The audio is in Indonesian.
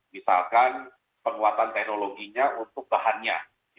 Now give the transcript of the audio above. misalkan penguatan teknologinya untuk bahannya